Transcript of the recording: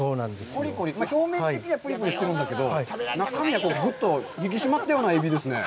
コリコリ、表面的にはプリプリしてるんだけど、中身はぐっと引き締まったようなエビですね。